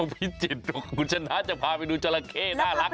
พิจิตรคุณชนะจะพาไปดูจราเข้น่ารัก